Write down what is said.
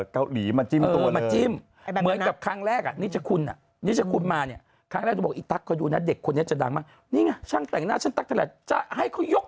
เกาหลีมาจิ้มตัวเลย